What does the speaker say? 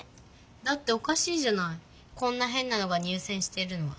だっておかしいじゃないこんなへんなのが入せんしてるのは。